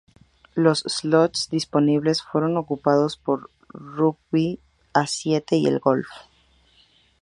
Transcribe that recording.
Los slots disponibles fueron ocupados por el rugby a siete y el golf.